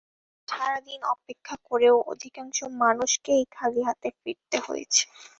ফলে সারা দিন অপেক্ষা করেও অধিকাংশ মানুষকেই খালি হাতে ফিরতে হয়েছে।